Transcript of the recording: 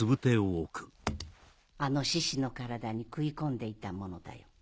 あのシシの体に食い込んでいたものだよ。